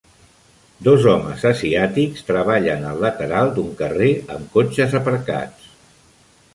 Dos homes asiàtics treballen al lateral d'un carrer amb cotxes aparcats.